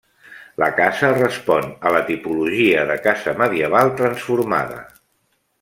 La casa respon a la tipologia de casa medieval transformada.